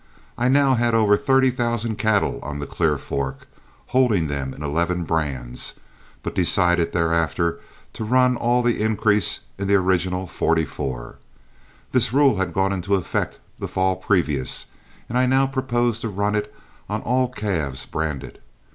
I now had over thirty thousand cattle on the Clear Fork, holding them in eleven brands, but decided thereafter to run all the increase in the original "44." This rule had gone into effect the fall previous, and I now proposed to run it on all calves branded.